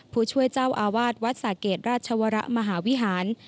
ผู้ช่วยเจ้าอาวาสวัดสะเกดราชวรมหาวิหาร